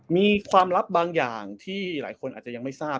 มีความลับบางอย่างที่หลายคนอาจจะยังไม่ทราบ